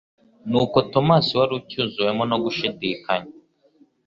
Nuko Tomasi wari ucyuzuwemo no gushidikanya